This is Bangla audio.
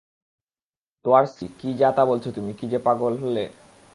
তোয়ার স্ত্রী - কি যা তা বলছো তুমি কি পাগল হলে?